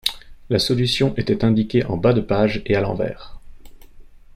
La solution était indiquée en bas de page et à l'envers.